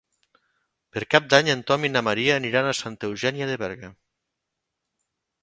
Per Cap d'Any en Tom i na Maria aniran a Santa Eugènia de Berga.